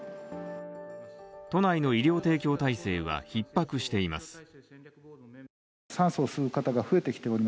都内の医療提供体制はひっ迫しています。